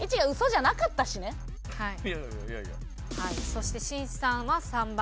そしてしんいちさんは３番。